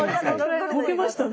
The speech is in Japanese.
ボケましたね